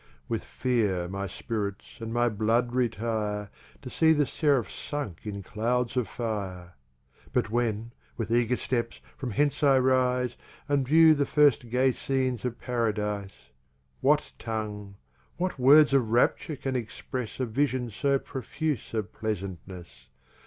With Fear my Spirits and my Blood retire, To see the Seraphs sunk in Clouds of Fire; But when, with eager steps, from hence I rise, And view the first gay Scenes of Paradise; What Tongue, what words of Rapture, can express A Vision so profuse of pleasantness.